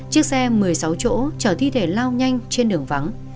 chiếc xe một mươi sáu chỗ chở thi thể lao nhanh trên đường vắng